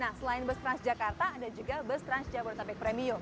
nah selain bus transjakarta ada juga bus trans jabodetabek premium